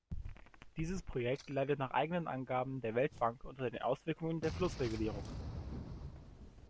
Dieses Projekt leidet nach eigenen Angaben der Weltbank unter den Auswirkungen der Flussregulierungen.